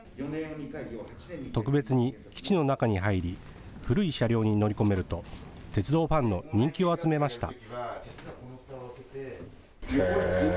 特別に基地の中に入り古い車両に乗り込めると鉄道ファンの人気を集めました。